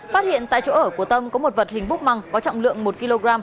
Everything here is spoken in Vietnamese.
phát hiện tại chỗ ở của tâm có một vật hình búc măng có trọng lượng một kg